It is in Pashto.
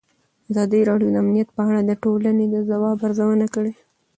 ازادي راډیو د امنیت په اړه د ټولنې د ځواب ارزونه کړې.